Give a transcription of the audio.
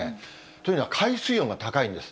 というのは、海水温が高いんです。